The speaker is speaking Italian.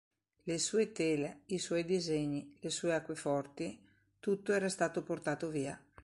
Le sue tele, i suoi disegni, le sue acqueforti, tutto era stato portato via.